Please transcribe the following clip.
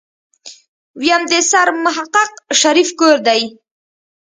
ويم د سرمحقق شريف کور دی.